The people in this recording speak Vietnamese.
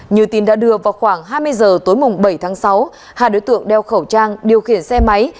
như tin đã đưa vào khoảng hai mươi h tối bảy tháng sáu hai đối tượng đeo khẩu trang điều khiển xe máy